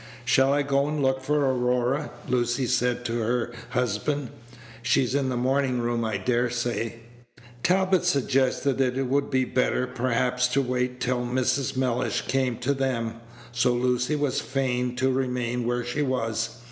"Shall I go and look for Aurora?" Lucy said to her husband. "She is in the morning room, I dare say." Page 173 Talbot suggested that it would be better, perhaps, to wait till Mrs. Mellish came to them. So Lucy was fain to remain where she was.